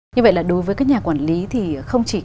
như vậy là đối với các nhà quản lý thì không chỉ